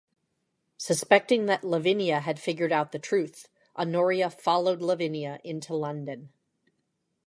Suspecting that Lavinia had figured out the truth, Honoria followed Lavinia into London.